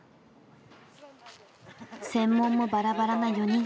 専門もバラバラな４人。